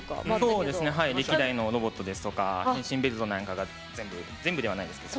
歴代のロボットですとか変身ベルトなんかが全部全部ではないですけど。